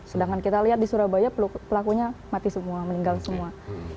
sedangkan kita lihat di surabaya pelakunya mati semua meninggal semua